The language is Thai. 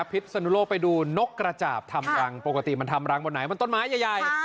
พิษสนุโลกไปดูนกกระจาบทำรังปกติมันทำรังบนไหนบนต้นไม้ใหญ่